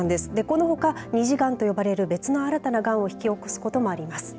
このほか、二次がんと呼ばれる別の新たながんを引き起こすこともあります。